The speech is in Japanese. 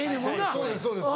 そうですそうです。